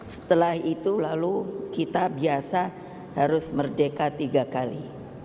setelah itu lalu kita biasa harus merdeka tiga kali